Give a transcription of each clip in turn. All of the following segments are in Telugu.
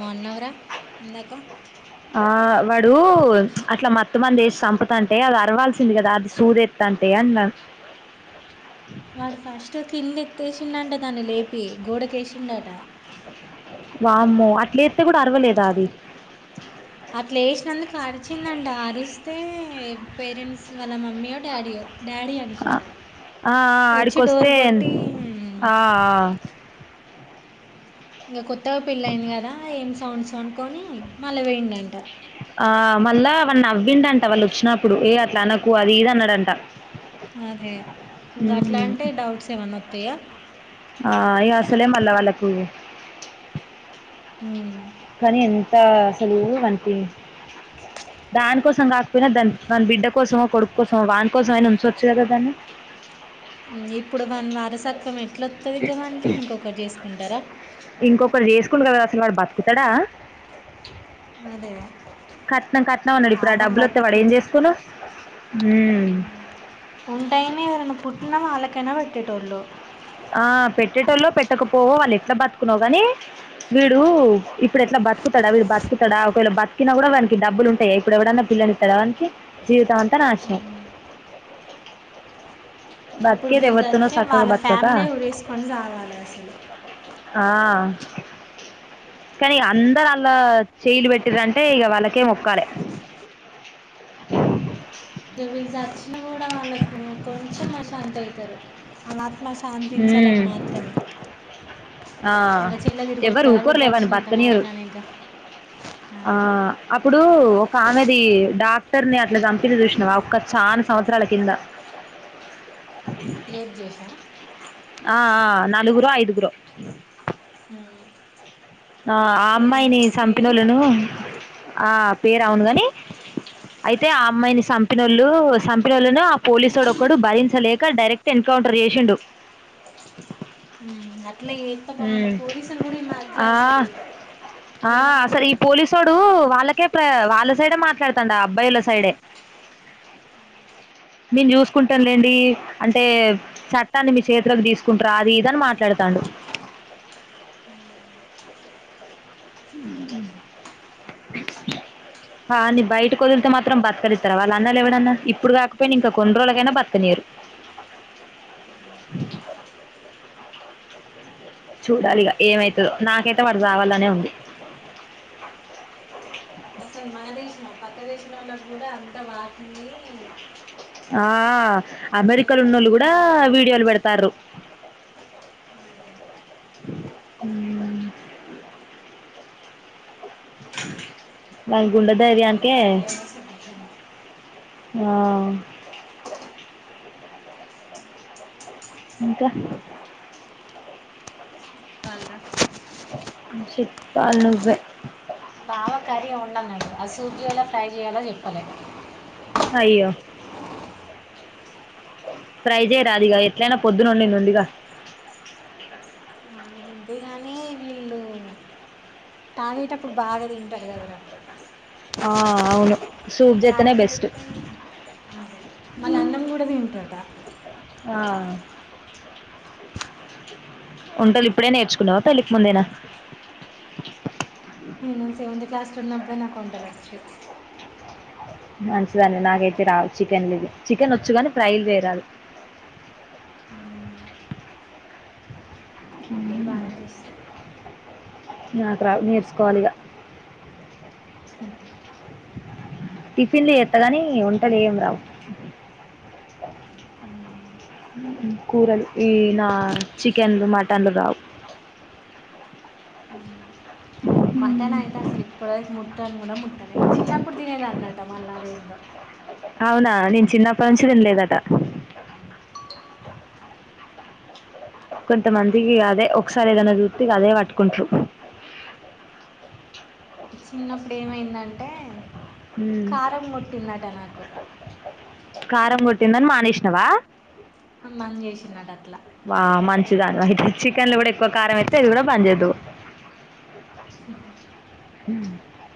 మో అన్నవరా ఇందాక ఆ వాడు అట్లా మత్తు మందు వేసి చంపుతంటే అది అరవాల్సింది కదా, అది సూదత్త్త అంటే అన్నా వాడు ఫస్ట్ కింద ఎతేసిండంట దాన్ని లేపి గోడకేసిండట వామ్మో అట్లేస్తతే కూడా అర్వలేదా అది అట్లా ఏసినందుకు అరిచిందంట అరిస్తే పేరెంట్స్, వాళ్ళ మమ్మీయో డాడీయో డాడీ అనుకుంటా. ఆ ఆ వచ్చి అడికిొస్తే డోర్ న్ కొట్టి "మ్, ఆ ఆ ఇంగ కొత్తగా పెళ్లియింది కదా ఏం సౌండ్సో అనుకోని మళ్ళ పోయిండు అంట ఆ మళ్ళా వా నవ్విండు అంట వాళ్ళు వచ్చినప్పుడు ఏ అట్లా అనక్ అదే ఇం ఉమ్. గట్లంటే డౌట్స్ ఏమనా వోత్తయా ఆ ఈగా అసలే మళ్ల వాళ్ళకు హ్మ్ కానీ ఎంత అసలు వానికి దానికోసం కాకపోయినా, దాని దాని బిడ్డ కోసమో, కొడుకు కోసమో, వాని కోసం అయినా ఉంచొచ్చు గా దాన్ని. సత్ చేసుకుంటారా ఇంకొకరు చేసుకుండ్ కదా అయిన వాడు బతుకుతాడా అదే కట్నం కట్నాం అన్నాడు ఇప్పుడు ఆ డబ్బులు వత్తే వాడు ఏం చేసుకుండు ఉంటైనే ఏన్నా పుట్టిన వాళ్లకనా పెట్టటి టోల్లో ఆ పెట్టేటళ పెట్టకపోవ వాళ్ళు ఎట్లా బతుకున్నావు గాని వీడు ఇప్పుడు ఎలా బతుకుతాడా విడు బతుకుతాడా ఒకవేళ చిన కూడా వానికి డబ్బులు ఉంటాయి, ఇప్పుడ ఎవడన్నా పిల్లని ఇస్తార వానికి జీవితం అంతా నాశనం ఇప్పుడు బతికేది వీరు ఎవరితోనో తచ్చే చక్కగా వాళ్ళ బతకక ఫ్యామిలీ ఉరేసుకొని చవాలి అసలు ఆ, కానీ అందరు అలా చేలు పెట్టిరంటే ఇక వాళ్ళకే మొక్కాలే ఇ వీళ్ళు సచిన కూడా వాళ్ళకు కొంచెం శాంతి అవుతారు అలా ఊ ఆ వాళ్ళ చెల్లె తిరిగి ఎవ్వరు వస్తారా వీడు ఊకోరులే వాని చచ్చినంత బతకనీయరు మాత్రానే ఇక ఆ అదే అప్పుడు ఒక ఆమెది డా క్టర్ని అట్ల చంపింది చూసినావా ఒక్క చానా సంవత్సరాల కింద రేప్ జేషా ఆ ఆ నాలుగురో ఐదుగురో హూ ఆ ఆ అమ్మాయిని సంపినోళ్ళను ఆ పేరు అవును గాని అయితే ఆ అమ్మాయిని సంపినోళ్ళు సంపినోళ్ళను ఆ పోలీసోడు ఒక్కడు భరించలేక డైరెక్ట్ ఎన్కౌంటర్ చేషిండు ఊ అట్లా ఎంత బాగుంది పోలీసులు కూడా ఈ మారి ఆ ఆ అసలు ఈ ఉంటారు పోలీసోడు టు వాళ్ళకే ప్ర వాళ్ళ సైడే మాట్లాడుతాండు ఆ అబ్బాయిల సైడే నేను చూసుకుంటానులేండి అంటే చట్టాన్ని మీ చేతిలోకి తీసుకుంటరా అది ఇది అని మాట్లాడుతాండు ఆడిని బయటకు వదిలితే మాత్రం బతకనిత్తారా వాళ్ళు అన్నలు ఎవడన్నా ఇప్పుడు కాకపోయినా ఇంకా కొన్ని రోజులకైనా బతకనీయరు చూడాలిగ ఏమైతదో నాకైతే వాడు సావాలనే ఉంది అసలు మన దేశమా పక్క దేశం లో ఉన్న కూడా అంత పాకింది ఆ అమెరికాలో ఉన్నోళ్లు కూడా ఘోరం అసలు వీడియోలు పెడతారు అదే మ [inaudible] ఆ ఇంకా కాల్ రా చెప్పాలి నువ్వే బావ కర్రీ వండన్నాడు ఇగ అది సూపి ఎలా ఫ్రై చేయాలో చెప్పలే అయ్యో ఫ్రై చేయరాదిగా ఎట్లయినా పొద్దున ఒండింది ఉందిగా ఆ, ఉంది కానీ వీళ్ళు తాగేటప్పుడు బాగా తింటారు కదరా ఆ అవును సూప్ [inaudible] చేస్తేనే బెస్ట్ అన్నం కూడా తింటాట ఆ వంటలు ఇప్పుడే నేర్చుకున్నావా పెళ్ళికి ముందేనా నేను సెవెంత్ క్లాస్ లో ఉన్నప్పుడు ప్పుడే నాకు వంటలు వచ్చు మంచిదండి నాకైతే రా చికెన్ లేదు చికెన్ వచ్చు కాని ఫ్రై లు చేయరాదు మ్మ్. వంటలు బానే చేస్తా నాకు రాద్ నేర్చుకోవాలి ఇగ హ్మ్ టిఫిన్లు చెత్త గానీ వంటలు ఏం రావు మ్మ్ మ్మ్ కూరలు ఈ నా చికెన్లు మటన్లు రావు మట్టన్ అయితే అస్సలు ఇప్పుడు వరకు ముట్టన్ కూడా ముట్టలే చిన్నప్పుడు తినేదాన్నట మళ్ళ అదెందో అవునా నేను చిన్నప్పటి నుంచి తినలేదట కొంతమందికి అదే ఒకసారి ఏదనా చూత్తే అదే పట్టుకుంటారు చిన్నప్పుడు ఏమైందంటే ఊ కారం కొట్టిందట నాకు కారం గు తిందని మానేష్నవా అమ్మన్ చేష్నట వా మంచిదాను అయితే చికెన్లు కూడా ఎక్కువ కారం ఏత్తే ఇది కూడా బంద్ జేద్దు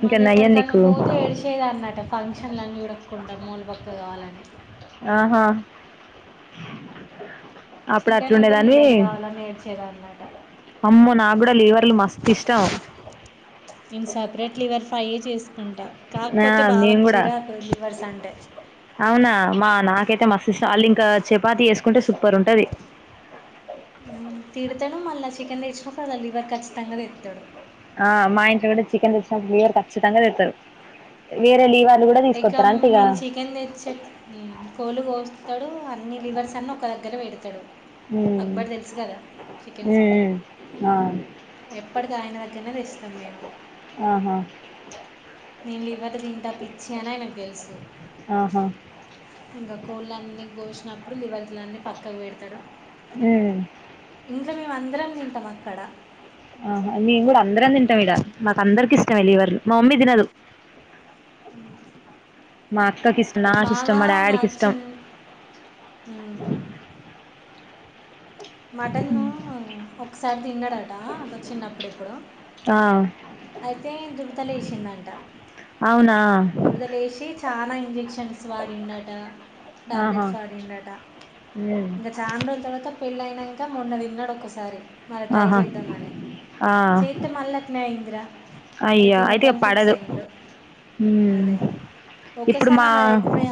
మళ్ళెక్కడికన్నా పోతే ఏడిషేదాన్నట ఫన్ క్షన్లన్నీ ఉడక్కుండా మూలు బొక్క కావాలని ఆహా అప్పుడు చికెన్ ఉంటే అట్లుండేదానివి లివర్లు కావాలని ఏడ్చేదన్నట అమ్మో నాగ్గూడా లీవర్లు మస్తు తిష్టం నేను సెపరేట్ లివర్ ఫ్రైయే చేస్ కుంటా ఆ కాకపోతే మేము బావకు కూడా చిరాకు లివర్స్ అంటే అవునా మా నాకైతే మస్త్ ఇష్టం అళ్ళింక చపాతి వేసుకుంటే సూపర్ ఉంటది తిడతాడు మళ్ళీ చికెన్ తెచ్చినప్పుడు అల లివర్ ఖచ్చితంగా తెత్తడు ఆ మా ఇంట్లో కూడా చికెన్ తెచ్చినప్పుడు లివర్ ఖచ్చితంగా తెత్తారు వేరే లీవ ఎగ్గం మీన్ చికెన్ తెచ్చే ఉమ్ కోల్లు కోస్తాడు అన్ని లివర్స్ అన్ని ఒక దగ్గరే పెడతాడు ఉమ్ అక్బర్ తెలుసు కదా చికెన్ సెంటర్ ఉమ్ ఉమ్ ఆ ఎప్పటికి ఆయన దగ్గర తెస్ తం మేము ఆహా నేను లివర్ తింటా పిచ్చి అని ఆయనకు తెలుసు ఆహా ఇంక కోళ్ళన్నీ గోష్ అప్పుడు లివంతులన్నీ పక్కకు పెడతడు ఊ ఇంక మేం అందరం తింటం అక్కడ ఆహా మేం గూడా అందరం తింటాం ఈడ మాకందరికి ఇష్టమే లివర్లు మా మమ్మీ తినదు మా క్కకి ఇష్టం నాకి ఇష్టం బాగా మా డాడీకి ఇష్టం చిన్ మటన్ ఒకసారి తిన్నాడట అదో చిన్నప్పుడెప్పుడో ఆ అయితే దురత లేసిందంట అవునా దురద లేసి చానా ఇంజెక్షన్స్ వాడిందట ఆహా టాబ్లెట్స్ వాడిందట ఉమ్ ఇంక చాన్ రోజుల తర్వాత పెళ్ళయినంక మొన్న తిన్నడు ఒక్కసారి మర ట్రై ఆహా చేద్దామని చేత్తే మళ్ళట్నే అయ్యిందిరా అయ్యా అయితే పడదు ఉమ్మ్ అదే ఇప్పుడు ఒకసారి మా నాకు అది ఎప్పుడే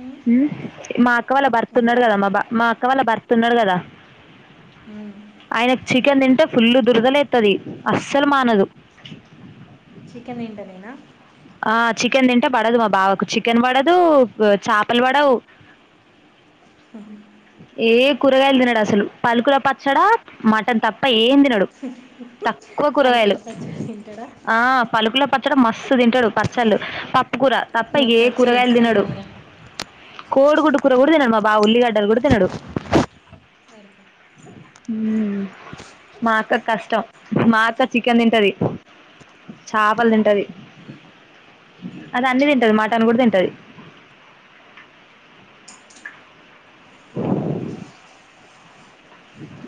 ఉమ్, మా అక్క వాళ్ళ భర్త్ ఉన్నాడు ఏందిరా కద మా బా మా అక్క వాళ్ళ భర్ తున్నడు కదా ఆయనకు చికెన్ తింటే ఫుల్లు దురదలేత్తది అస్సలు మానదు అ ఆ చికెన్ తింటే పడదు మా బావకు చికెన్ పడదు చేపలు పడవు హుహూ ఏ కూరగాయలు తినడు అసలు పలుకుల పచ్చడ మటన్ తప్ప ఏం తి నడు తక్కువ కూరగాయలు పాలకుల పచ్చడి తింటాడా ఆ పలుకుల పచ్చడ మస్తు తింటాడు పచ్చళ్ళు పప్పు కూర తప్ప నాకు ఏ పచ్చళ్ళు కూరగాయలు అస్సలు తినడు పోవురా కోడు గుడ్డు కూర కూడా తినడు మా బావ ఉల్లిగడ్ డ్డలు కూడ తినడు వరకు ఉమ్ మా అక్క కష్టం మాఅత్త చికెన్ తింటది చేపలు తింటది అది అన్నీ తింటది మాటన్ కూడా తింటది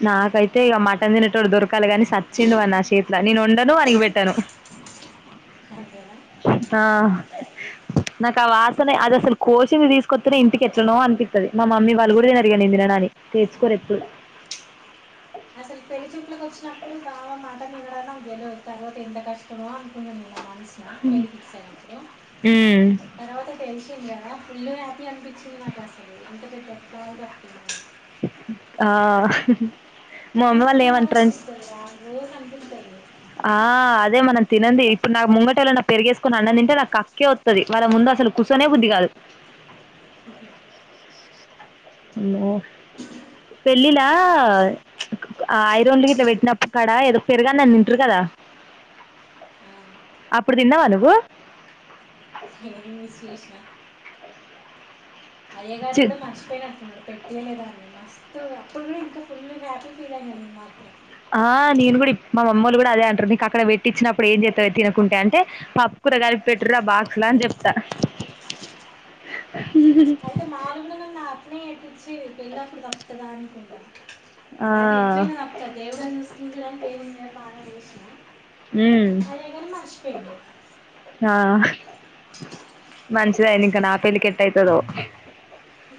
నాకైతే ఇక మటన్ తినేటోడు దొరకాలి కాని సచ్చిండు వాడు నా చేతిల నేను ఒండను వాడికిపెట్టాను అంతేనా ఆ నాకు ఆ వాసన అది అసలు కోసింది తీసుకొస్తనే ఇంటికి ఎట్లనో అనిపిస్తుది మా మమ్మీ వాళ్ళ గుడ తినరుఇహ నేను తిననని తెచ్చుకోరెప్పుడు అసలు పెళ్లి చూపులకు వచ్చినప్పుడు బావమాట నినడట నాకు గెలవు తర్వాత ఎంత కష్టమో అనుకున్నా నేను నా మన స్లా పెళ్ళి ఫిక్ అయినప్పుడు ఉమ్ తర్వాత తెలిసింది కదా ఫుల్లు హ్యాపీ అనిపిచ్చింది నాకు అసలు ఇంత పెద్ద దోవదప్పోయినా ఆ మా మమ్మీ మస్త్ వాళ్ళు [unintelligible] ఏమంటారంటే ఇస్తుంది రా రోజనిపిస్తది ఆ అదే మనం తినంది ఇప్పుడు నాకు ముంగటేలేనా పెరుగేసుకోని అన్నం తింటే నాకు కక్కే వత్తది వాళ్ళ ముందు అసలు కూసోనే బుద్ధి కాదు అకే పెళ్ళిల ఆ ఐరోన్లు గిట్ల పెట్టినప్పుక్కడ ఏదో పెరుగన్నం తిన్ ట్రు కదా ఆ, అప్పుడు తిన్నావా నువ్వు ఏం చూస్ చేస్నా అయ్య గారు చి కూడా మర్చిపోయినట్టున్నరు పెట్ తియ్యలేదాన్ని మస్తు అప్పుడు కూడా ఇంకా ఫుల్లు హ్యాపీ ఫీల్ అయినాను నేను మాత్రం ఆ నేను కూడా ఇప్ మా మమ్మోల్లు కూడా అదే అంటారు నీకక్కడ పెట్టిచ్చినప్పుడు ఏం చేత్తావే తినకుంటే అంటే పప్పు కూర కలిపి పెట్టురా బాక్స్ లా అని చెప్తా [unintelligible] న [inaudible] ఆ అయితే ఇట్లయినా తప్త దేవుడె చూసుకుంటాడని దేవుని మీద బారం వేస మ్ మర్చిపోయిండు ఆ.. మంచిదయంది ఇంకా నా పెళ్లి కెట్ట అయితదో హ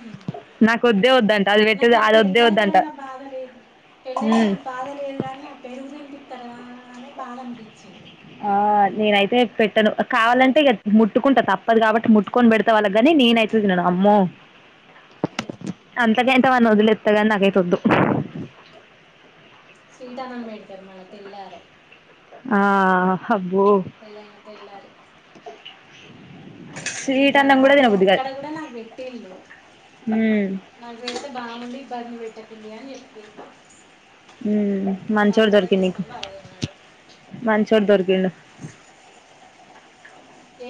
నాకొద్దే వద్దంట అది పెట్టేది నాకు ఆ అది వద్దే పెళ్ళయిత వద్దంట నా బాధ లేదు పెళ్ళయి ఉమ్ నపుడు బాధ లేదు కానీ పెరుగుతినిపి చ గానే బాద అనిపించింది ఆ నేనైతే పెట్టను కావాలంటే ఇక ముట్టుకుంట తప్పదు కాబట్టి ముట్టుకొని పెడతా వాళ్ళ కి గాని నేనైతే తినను అమ్మో అంత గా అయితే ఇస్తవన్న వొదిలేత్తగాని నాకయితె వద్దు స్వీట్ అన్నం పెడతారు మనకెల్లాలె ఆ అబ్బో [inaudible] స్వీట్ ఇక అన్నం కూడా అది తినబుద్ది కాదు అక్కడ కూడా నాకు పెట్టిళ్ళు ఉమ్ నాకు పెడితే బావుండి ఇబ్బంది పెట్ట [unintelligible] మ్ మంచోడు దొరికిండు నీకు బాగా తిన్నాడు మంచోడు దొరికిం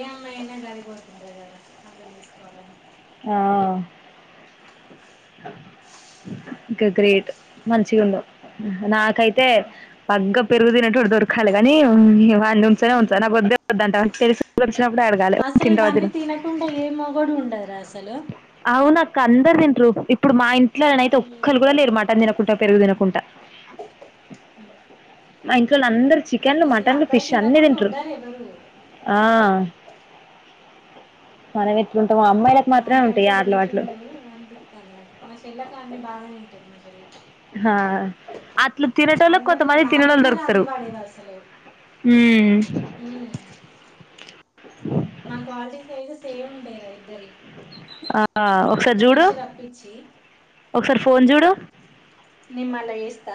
ఏ అమ్మాయినా గదె కోరుకుంటది కదా అర్థం చేసుకోవాలని ఆ ఇక గ్రేట్ మంచిగొండవ్ నాకయితే తే పగ్గం పెరుగు తినేటోడు దొరకాలి గానీ [unintelligible] నేను ఉంచనే ఉంచ నాకు వద్దే వద్దంట తెలుసు అసలు ఇవన్నీ తినకుండా ఏ మొగోడు ఉండు తన అసలు అవును అక్క అందరు తింట్రు ఇప్పుడు మా ఇంటి ఇట్ల నెనైతే ఉమ్ ఒక్కరు కూడా లేరు మటన్ తినకుంటె పెరుగుతినకుంటా హ మా ఇంట్లో వళ్ళందరు చికెన్లు మటన్లు ఫిష్ అన్నీ తినకుండా తింటారు ఉండరు ఎవరు ఆ మన ఎట్లుంటమో అ నాకైతే దొరికిండు అనిపిట్టంది నాకు మా చెల్లక అన్ని బాగా నె తింటాడు మ తిల్లే హా అట్లు తినేటోళ్లకు, అందరు కొంతమంది నా తిననొళ్ళు మీదనే దొరుకుతారు. రంది పడేది అసలు ఉమ్ ఉమ్ మా క్వాలిటీస్ అయితే సేమ్ ఉండేర ఇ ద్దరియి ఆ ఆ ఒకసారి జూడు ఒకసారి ఫోన్ జూడు నేం మళ్ళ ఏస్త